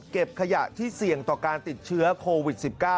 ขยะที่เสี่ยงต่อการติดเชื้อโควิด๑๙